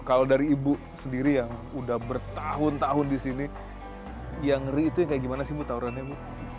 kalau dari ibu sendiri yang udah bertahun tahun di sini yang ngeri itu yang kayak gimana sih bu tawurannya bu